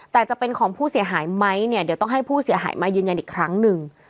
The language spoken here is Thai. แต่จะเป็นของผู้เสียหายไหมเนี่ยเดี๋ยวต้องให้ผู้เสียหายมายืนยันอีกครั้งหนึ่ง